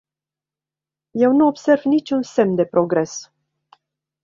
Eu nu observ niciun semn de progres.